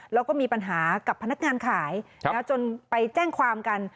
แล้วก็มีปัญหากับพนักงานขายจนไปแจ้งความกัน